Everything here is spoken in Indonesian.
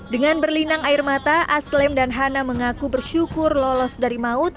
dengan berlinang air mata aslem dan hana mengaku bersyukur lolos dari maut